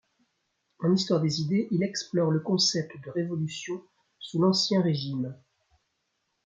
En histoire des idées, il explore le concept de révolution sous l’Ancien Régime.